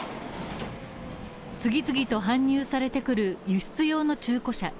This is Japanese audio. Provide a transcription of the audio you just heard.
次々と搬入されてくる輸出用の中古車。